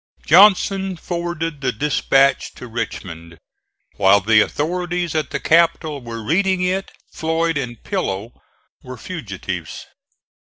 Johnston forwarded the dispatch to Richmond. While the authorities at the capital were reading it Floyd and Pillow were fugitives.